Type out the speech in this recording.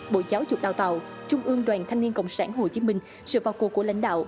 bộ giáo dục đào tạo trung ương đoàn thanh niên cộng sản hồ chí minh sự vào cuộc của lãnh đạo